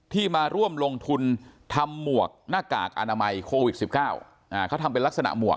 มาร่วมลงทุนทำหมวกหน้ากากอนามัยโควิด๑๙เขาทำเป็นลักษณะหมวก